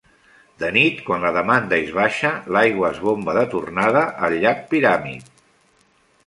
De nit, quan la demanda és baixa, l'aigua es bomba de tornada al llac Pyramid.